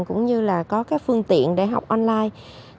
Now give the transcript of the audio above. cũng như là có các phương tiện để học online